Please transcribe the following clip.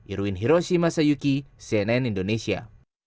irwin hiroshi masayuki cnn indonesia